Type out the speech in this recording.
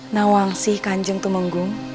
nawangsyi kanjeng tumenggung